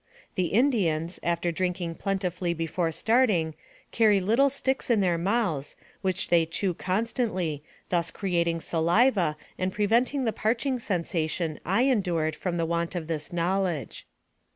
The In dians, after drinking plentifully before starting, carry little sticks in their mouths, which they chew con stantly, thus creating saliva, and preventing the parching sensation I endured from the want of this knowledge.